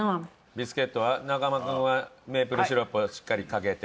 ビスケットは中間君はメープルシロップをしっかりかけて。